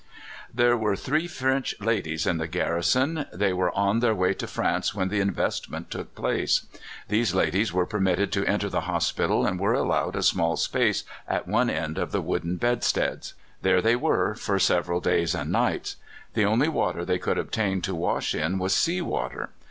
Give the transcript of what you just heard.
There were three French ladies in the garrison. They were on their way to France when the investment took place. These ladies were permitted to enter the hospital, and were allowed a small space at one end of the wooden bedsteads. There they were for several days and nights. The only water they could obtain to wash in was sea water.